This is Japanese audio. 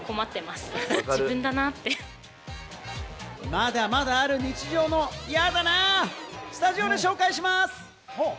まだまだある日常のやだなー、スタジオで紹介します。